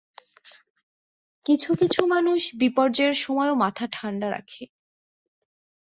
কিছু-কিছু মানুষ বিপর্যয়ের সময়ও মাথা ঠাণ্ডা রাখে।